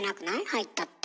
入ったって。